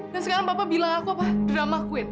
dan sekarang papa bilang aku drama quit